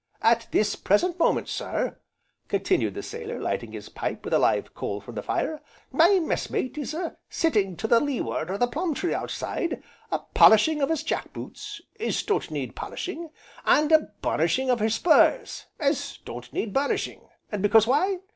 At this present moment, sir," continued the sailor, lighting his pipe with a live coal from the fire, "my messmate is a sitting to the leeward o' the plum tree outside, a polishing of his jack boots, as don't need polishing, and a burnishing of his spurs, as don't need burnishing. And because why?